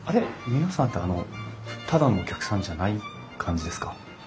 皆さんってあのただのお客さんじゃない感じですか？